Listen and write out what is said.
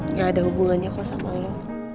gak ada hubungannya kok sama lo